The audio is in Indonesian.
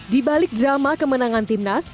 di balik drama kemenangan timnas